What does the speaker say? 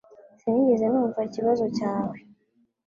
Sinigeze numva ikibazo cyawe